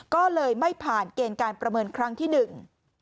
ก็เลยไม่ผ่านเกณฑ์การประเมินครั้งที่หนึ่ง